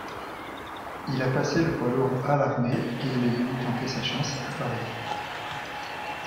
il a passé le poids lourds à l’armée et il est venu tenter sa chance à Paris.